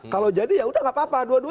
kalau jadi ya udah gak apa apa